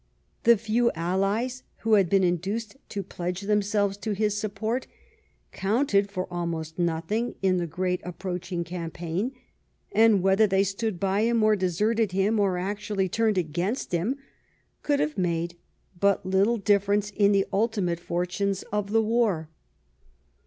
The few allies who had been induced to pledge themselves to his support counted for almost nothing in the great approaching campaign, and whether they stood by him or deserted him, or actually turned against him, could have made but little difference in the ultimate fortunes of the war.